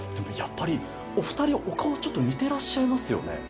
やっぱりお２人、ちょっとお顔似てらっしゃいますよね。